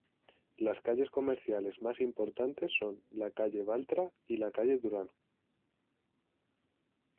Las calles comerciales más importantes son la Calle Baltra y la Calle Durán.